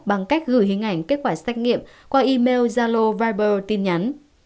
bằng cách gửi hình ảnh kết quả xét nghiệm qua email zalo viber tin nhắn